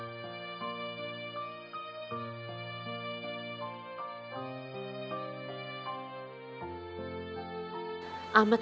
เอานะครับ